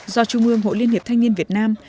do trung ương hội liên hiệp thanh niên việt nam